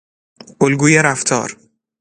الگوی رفتار